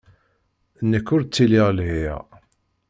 Nekk ur ttiliɣ lhiɣ.